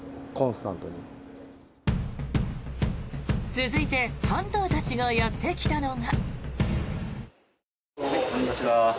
続いてハンターたちがやってきたのが。